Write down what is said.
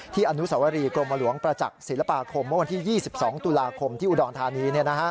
อนุสวรีกรมหลวงประจักษ์ศิลปาคมเมื่อวันที่๒๒ตุลาคมที่อุดรธานี